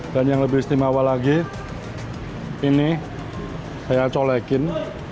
dan yang lebih istimewa lagi ini saya colekin